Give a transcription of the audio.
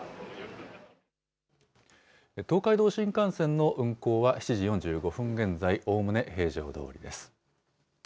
東海道新幹線の運行は７時４５分現在、おおむね平常どおりです。